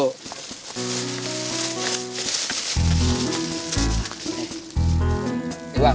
ntar dulu bang